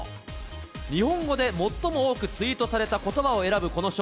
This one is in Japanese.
日本語で最も多くツイートされたことばを選ぶこの賞。